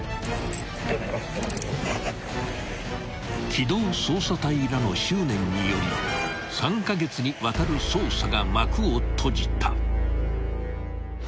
［機動捜査隊らの執念により３カ月にわたる捜査が幕を閉じた］